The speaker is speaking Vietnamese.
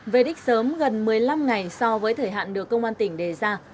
về đích sớm gần một mươi năm ngày so với thời hạn được công an tỉnh đề ra